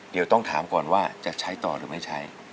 เดี๋ยวต้องถามก่อนว่าจะใช้ต่อหรือไม่ใช้